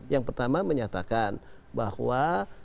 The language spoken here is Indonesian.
yang pertama menyatakan bahwa